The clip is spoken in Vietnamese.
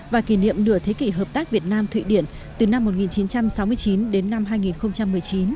và kỷ niệm nửa thế kỷ hợp tác việt nam thụy điển từ năm một nghìn chín trăm sáu mươi chín đến năm hai nghìn một mươi chín